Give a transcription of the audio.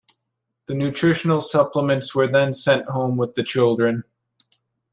The nutritional supplements were then sent home with the children.